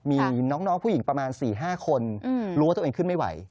มีน้องผู้หญิงประมาณ๔๕คนรู้ว่าตัวเองขึ้นไม่ไหว